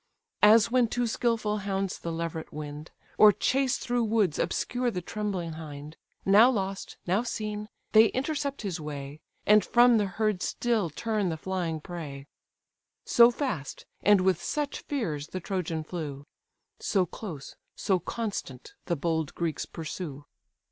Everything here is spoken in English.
As when two skilful hounds the leveret wind; Or chase through woods obscure the trembling hind; Now lost, now seen, they intercept his way, And from the herd still turn the flying prey: So fast, and with such fears, the Trojan flew; So close, so constant, the bold Greeks pursue.